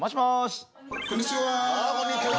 ああこんにちは